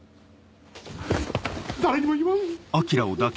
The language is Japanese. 誰にも言わん。